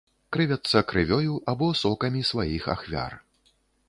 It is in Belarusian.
Жывяцца крывёю або сокамі сваіх ахвяр.